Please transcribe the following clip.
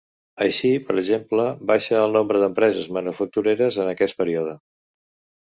Així, per exemple, baixa el nombre d’empreses manufactureres en aquest període.